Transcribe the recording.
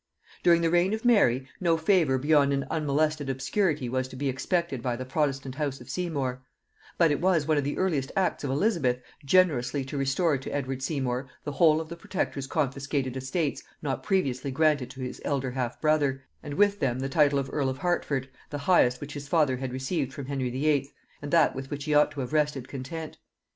During the reign of Mary, no favor beyond an unmolested obscurity was to be expected by the protestant house of Seymour; but it was one of the earliest acts of Elizabeth generously to restore to Edward Seymour the whole of the Protector's confiscated estates not previously granted to his elder half brother, and with them the title of earl of Hertford, the highest which his father had received from Henry VIII., and that with which he ought to have rested content.